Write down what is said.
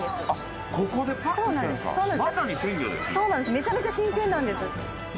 めちゃめちゃ新鮮なんです。